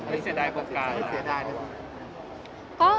ไม่เสียดายนะ